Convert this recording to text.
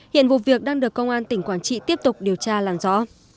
hiện vụ việc đang được công an tỉnh quảng trị tiếp tục điều tra làm rõ